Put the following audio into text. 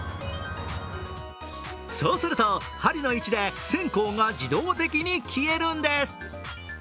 そうすると、針の位置で線香が自動的に消えるんです。